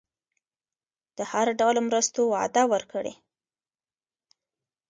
د هر ډول مرستو وعده ورکړي.